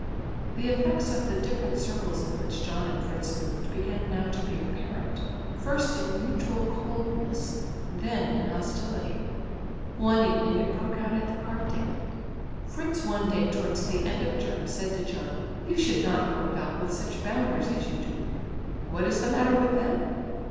The effects of the different circles in which John and Fritz moved began now to be apparent, first in mutual coldness, then in hostility. One evening it broke out at the card table. Fritz one day towards the end of the term said to John, "You should not go about with such bounders as you do." "What is the matter with them?"